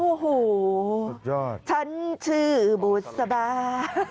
โอ้โฮฉันชื่อบูษบา